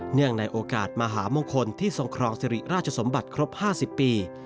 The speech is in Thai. ในโอกาสมหามงคลที่ทรงครองสิริราชสมบัติครบ๕๐ปี